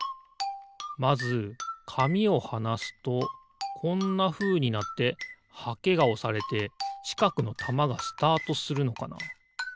まずかみをはなすとこんなふうになってはけがおされてちかくのたまがスタートするのかな？